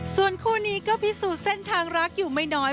ส่วนคู่นี้ก็พิสูจน์เส้นทางรักอยู่ไม่น้อย